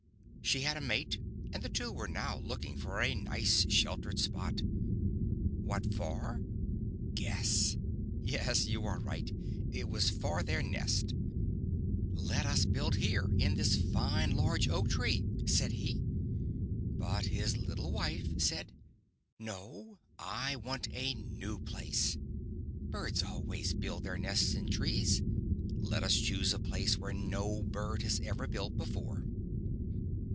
She had a mate, and the two were now looking for a nice, sheltered spot. AMiat for ? Guess. Yes. you are right, it was for their nest •• Let us build here in this line, large Oak tree," said he. But his little wife said. •• Xo. I want a new place. Birds always build their nests in trees. Let us choose a place where no bird has ever built before.